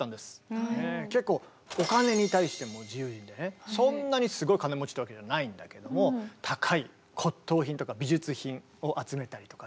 結構そんなにすごい金持ちってわけじゃないんだけども高い骨とう品とか美術品を集めたりとかね。